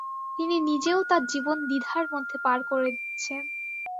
তিনি নিজেও তাঁর জীবন দ্বিধার মধ্যে পার করে দিচ্ছেন।